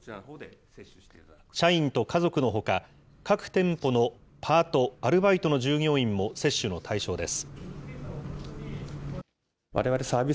社員と家族のほか、各店舗のパート・アルバイトの従業員も接種の対象です。